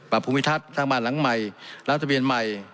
ปรับคุณวิทัศน์ทางบ้านหลังใหม่รับทะเบียนใหม่